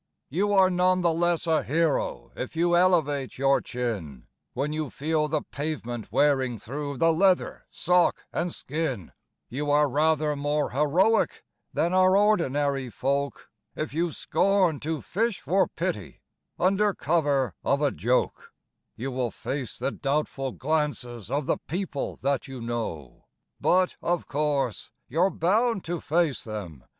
You are none the less a hero if you elevate your chin When you feel the pavement wearing through the leather, sock and skin; You are rather more heroic than are ordinary folk If you scorn to fish for pity under cover of a joke; You will face the doubtful glances of the people that you know ; But of course, you're bound to face them when your pants begin to go.